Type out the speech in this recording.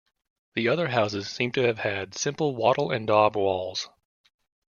The other houses seem to have had simple wattle and daub walls.